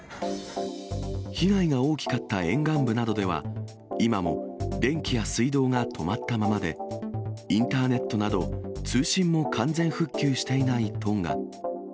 被害が大きかった沿岸部などでは、今も電気や水道が止まったままで、インターネットなど、通信も完全復旧していないトンガ。